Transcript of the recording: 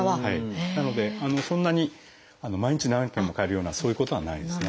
なのでそんなに毎日何回も替えるようなそういうことはないですね。